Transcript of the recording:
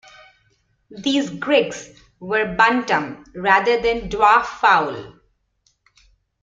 These Grigs were bantam rather than dwarf fowl.